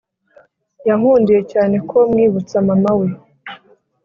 yankundiye cyane ko mwibutsa mama we